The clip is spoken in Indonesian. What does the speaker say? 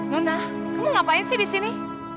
nona kamu ngapain sih di sini